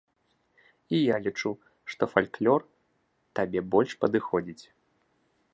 І я лічу, што фальклор табе больш падыходзіць.